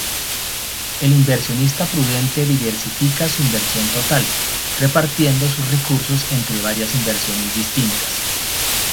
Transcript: El inversionista prudente diversifica su inversión total, repartiendo sus recursos entre varias inversiones distintas.